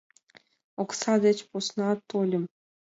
Окса деч посна тольым.